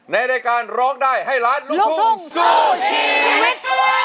ในรายการร้องได้ให้ล้านลูกทุ่งสู้ชีวิต